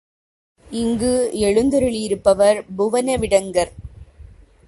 இங்கு எழுந்தருளி இருப்பவர் புவனவிடங்கர்.